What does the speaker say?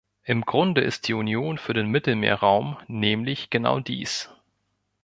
Im Grunde ist die Union für den Mittelmeerraum nämlich genau dies.